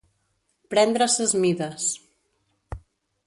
Prendre ses mides.